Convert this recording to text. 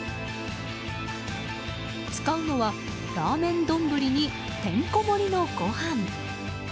使うのはラーメン丼にてんこ盛りのご飯！